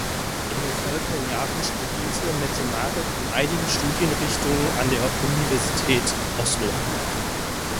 In den folgenden Jahren studierte Mette-Marit in einigen Studienrichtungen an der Universität Oslo.